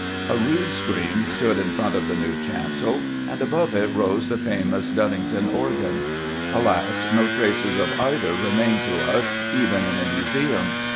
A rood screen stood in front of the new chancel, and above it rose the famous Duddyngton organ. Alas, no traces of either remain to us, even in a museum.